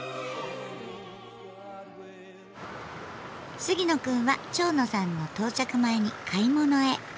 杉野くんは蝶野さんの到着前に買い物へ。